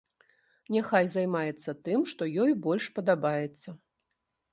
Няхай займаецца тым, што ёй больш падабаецца.